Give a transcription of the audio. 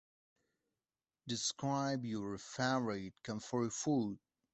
Describe your favorite comfort food.